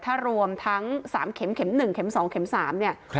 ถ้ารวมทั้ง๓เข็มเข็ม๑เข็ม๒เข็ม๓เนี่ย